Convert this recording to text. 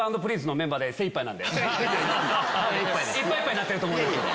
いっぱいいっぱいになってると思いますんで。